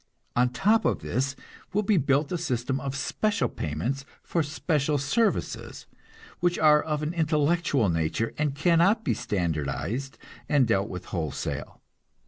On top of this will be built a system of special payments for special services, which are of an intellectual nature, and cannot be standardized and dealt with wholesale.